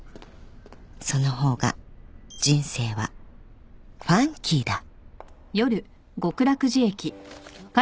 ［その方が人生はファンキーだ］